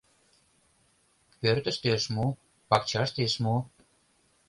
Пӧртыштӧ ыш му, пакчаште ыш му.